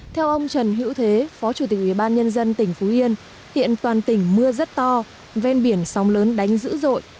theo ông trần hữu thế phó chủ tịch ủy ban nhân dân tỉnh phú yên hiện toàn tỉnh mưa rất to ven biển sóng lớn đánh dữ dội